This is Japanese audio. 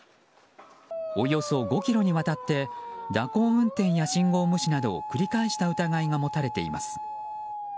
およそ５ｋｍにわたって蛇行運転や信号無視などを繰り返した疑いが持たれています。